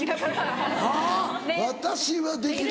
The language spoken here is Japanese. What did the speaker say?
あぁ「私はできる！」。